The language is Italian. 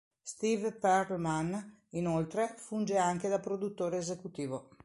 Steve Pearlman, inoltre, funge anche da produttore esecutivo.